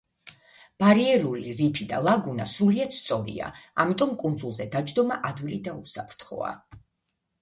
ბარიერული რიფი და ლაგუნა სრულიად სწორია, ამიტომ კუნძულზე დაჯდომა ადვილი და უსაფრთხოა.